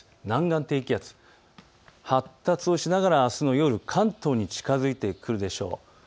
南岸低気圧、発達をしながらあすの夜関東に近づいてくるでしょう。